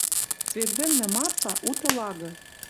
Свет вӹлнӹ Марфа — уты лагы.